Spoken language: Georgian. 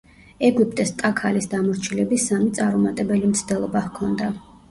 ეგვიპტეს ტაქალის დამორჩილების სამი წარუმატებელი მცდელობა ჰქონდა.